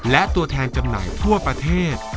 และตัวแทนจำหน่ายทั่วประเทศ